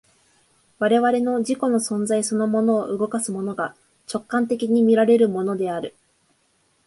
我々の自己の存在そのものを動かすものが、直観的に見られるものである。